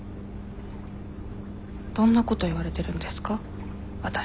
どんなこと言われてるんですか？